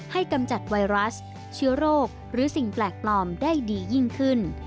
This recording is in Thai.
กำจัดไวรัสเชื้อโรคหรือสิ่งแปลกปลอมได้ดียิ่งขึ้น